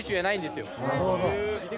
なるほど。